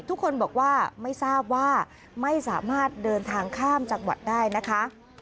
ทุกคนบอกว่าไม่ทราบว่าไม่สามารถเดินทางข้ามจังหวัดได้นะคะ